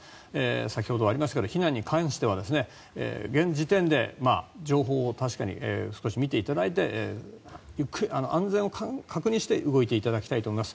先ほどありましたが避難に関しては現時点で情報を確かに少し見ていただいてゆっくり安全を確認して動いていただきたいと思います。